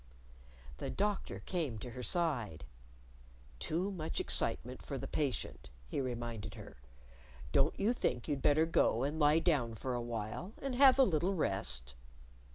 The Doctor came to her side. "Too much excitement for the patient," he reminded her. "Don't you think you'd better go and lie down for a while, and have a little rest?"